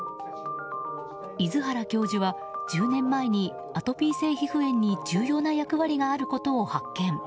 出原教授は１０年前にアトピー性皮膚炎に重要な役割があることを発見。